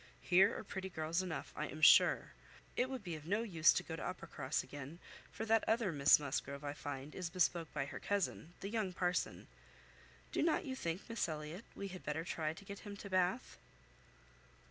Here are pretty girls enough, I am sure. It would be of no use to go to Uppercross again, for that other Miss Musgrove, I find, is bespoke by her cousin, the young parson. Do not you think, Miss Elliot, we had better try to get him to Bath?"